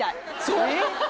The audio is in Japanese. そう！